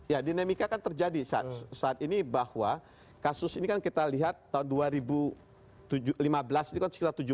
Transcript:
ya dinamika kan terjadi saat ini bahwa kasus ini kan kita lihat tahun dua ribu lima belas itu kan sekitar tujuh belas